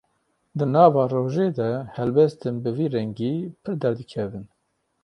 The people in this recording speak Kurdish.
Di nava rojê de helwestên bi vî rengî pir derdikevin.